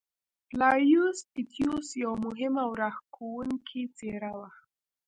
فلاویوس اتیوس یوه مهمه او راښکوونکې څېره وه.